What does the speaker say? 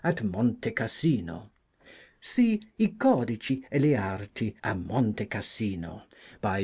at Monte Cassino. See / codici e le arti a Monte Cassino, by D.